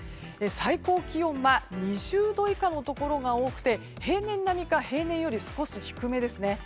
最高気温は２０度以下のところが多くて平年並みか平年より少し低めですね。